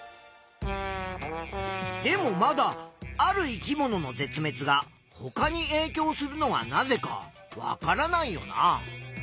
でもまだある生き物の絶滅がほかにえいきょうするのはなぜかわからないよな？